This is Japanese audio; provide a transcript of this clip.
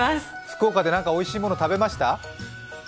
福岡でおいしいもの食べました？